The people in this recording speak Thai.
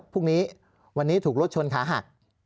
พรุ่งนี้วันนี้ถูกรถชนขาหัก